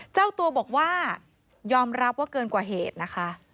เจ้าตัวบอกว่ายอมรับว่าเกินกว่าเหตุนะคะ